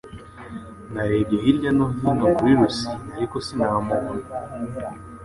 Narebye hirya no hino kuri Rusine ariko sinamubona